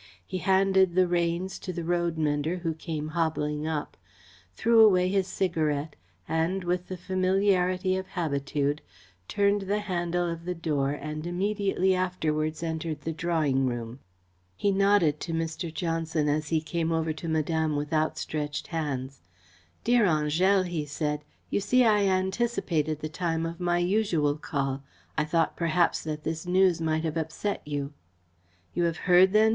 He handed the reins to the roadmender who came hobbling up, threw away his cigarette, and, with the familiarity of habitude, turned the handle of the door and immediately afterwards entered the drawing room. He nodded to Mr. Johnson as he came over to Madame with outstretched hands. "Dear Angèle," he said, "you see I anticipated the time of my usual call. I thought perhaps that this news might have upset you." "You have heard then?"